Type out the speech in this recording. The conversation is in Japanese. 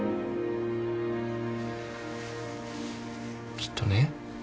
きっとね